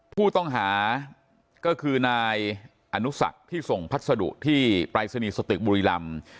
ผู้ต้องหาก็คือนายอนุสักที่ส่งพัสดุที่ปรายศนีย์สตึกบุรีลำ